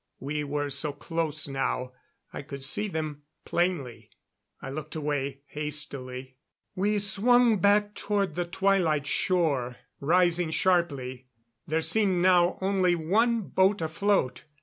We were so close now I could see them plainly. I looked away hastily. We swung back toward the Twilight shore, rising sharply. There seemed now only one boat afloat.